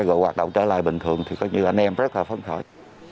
rồi hoạt động trở lại bình thường thì có như là anh em rất là phấn khởi